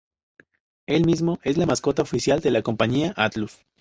El mismo es la mascota oficial de la compañía Atlus.